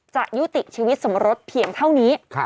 จะยุติชีวิตสมรสเพียงเท่านี้